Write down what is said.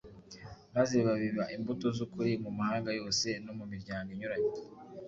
maze babiba imbuto z’ukuri mu mahanga yose no mu miryango inyuranye.